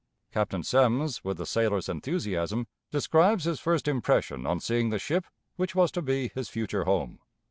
Captain Semmes, with a sailor's enthusiasm, describes his first impression on seeing the ship which was to be his future home.